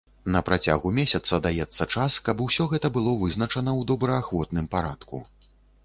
На працягу месяца даецца час, каб гэта ўсё было вызначана ў добраахвотным парадку.